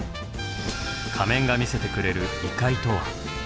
仮面が見せてくれる異界とは？